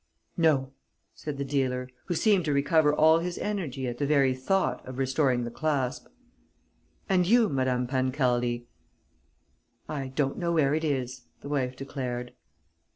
"No," said the dealer, who seemed to recover all his energy at the very thought of restoring the clasp. "And you, Madame Pancaldi." "I don't know where it is," the wife declared.